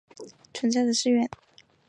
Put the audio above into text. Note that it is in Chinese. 但仍有以驱除恶运的仪式存在的寺院。